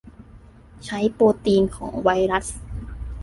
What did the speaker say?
ใช้โปรตีนของไวรัส